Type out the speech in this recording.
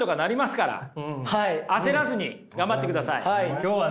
今日はね